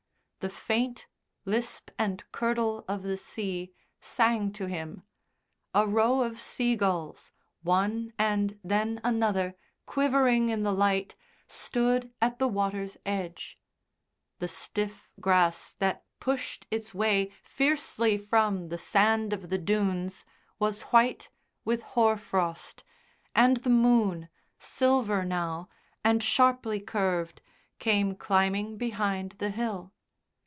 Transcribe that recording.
The faint lisp and curdle of the sea sang to him. A row of sea gulls, one and then another quivering in the light, stood at the water's edge; the stiff grass that pushed its way fiercely from the sand of the dunes was white with hoar frost, and the moon, silver now, and sharply curved, came climbing behind the hill.